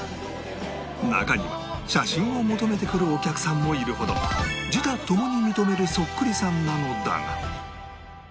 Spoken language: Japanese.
中には写真を求めてくるお客さんもいるほど自他共に認めるそっくりさんなのだが